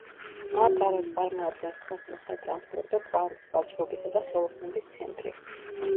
მატარა წარმოადგენს ქვეყნის სატრანსპორტო კვანძს, ვაჭრობისა და ხელოსნობის ცენტრი.